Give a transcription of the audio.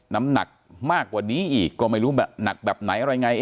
น้ำหนักมากกว่านี้อีกก็ไม่รู้หนักแบบไหนอะไรไง